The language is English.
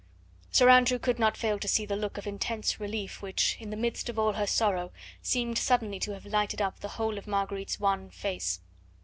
Sir Andrew could not fail to see the look of intense relief which, in the midst of all her sorrow, seemed suddenly to have lighted up the whole of Marguerite's wan face.